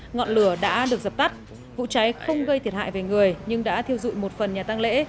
ngọn lửa đã được dập tắt vụ cháy không gây thiệt hại về người nhưng đã thiêu dụi một phần nhà tăng lễ